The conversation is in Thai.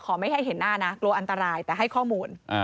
ไม่ให้เห็นหน้านะกลัวอันตรายแต่ให้ข้อมูล